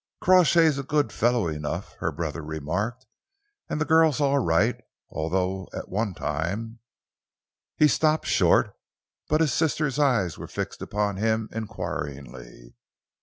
"Crawshay's a good fellow enough," her brother remarked, "and the girl's all right, although at one time " He stopped short, but his sister's eyes were fixed upon him enquiringly.